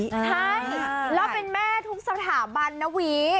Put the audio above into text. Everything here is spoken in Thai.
ใช่แล้วเป็นแม่ทุกสถาบันนะวี